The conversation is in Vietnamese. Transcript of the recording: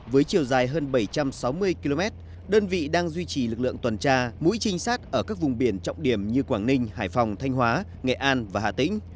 với chiều dài hơn bảy trăm sáu mươi km đơn vị đang duy trì lực lượng tuần tra mũi trinh sát ở các vùng biển trọng điểm như quảng ninh hải phòng thanh hóa nghệ an và hà tĩnh